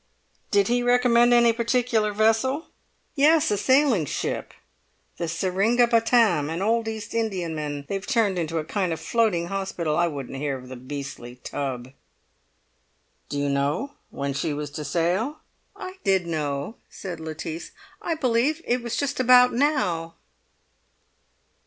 "Did he recommend any particular vessel?" "Yes, a sailing ship—the Seringapatam— an old East Indiaman they've turned into a kind of floating hospital. I wouldn't hear of the beastly tub." "Do you know when she was to sail?" "I did know," said Lettice. "I believe it was just about now."